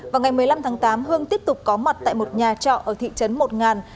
vào ngày một mươi năm tháng tám hương tiếp tục có mặt tại một nhà trọ ở thị trấn một ngàn